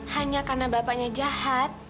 hanya karena bapaknya jahat